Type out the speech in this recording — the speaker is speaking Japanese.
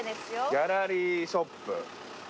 ギャラリーショップ。